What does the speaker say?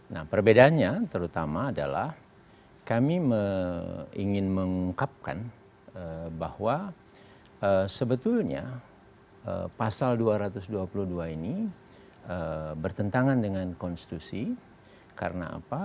nah perbedaannya terutama adalah kami ingin mengungkapkan bahwa sebetulnya pasal dua ratus dua puluh dua ini bertentangan dengan konstitusi karena apa